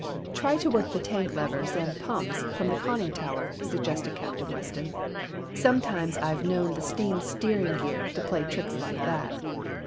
"Try to work the tank levers and pumps from the conning tower," suggested Captain Weston. "Sometimes I've known the steam steering gear to play tricks like that."